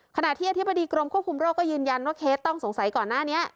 ขณะที่อธิบดีกรมควบคุมโรคก็ยืนยันว่าเคสต้องสงสัยก่อนหน้านี้